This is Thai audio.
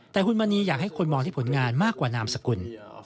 แต่หุ่นมณีอยากให้คนมองที่ผลงานมากกว่านามสกุล